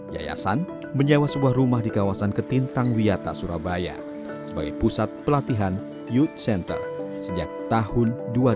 yayasan menyewa sebuah rumah di kawasan ketintangwiata surabaya sebagai pusat pelatihan youth center sejak tahun dua ribu enam belas